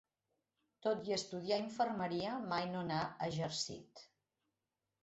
Tot i estudiar infermeria, mai no n'ha exercit.